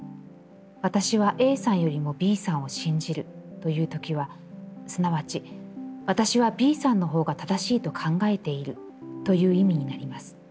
『私はＡさんよりもＢさんを信じる』と言う時は、すなわち『私はＢさんの方が正しいと考えている』という意味になります。